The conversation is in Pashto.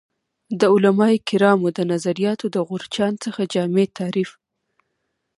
د علمای کرامو د نظریاتو د غورچاڼ څخه جامع تعریف